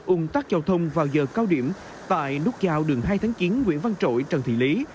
ung tắc giao thông vào giờ cao điểm tại nút giao đường hai tháng chín nguyễn văn trỗi trần thị lý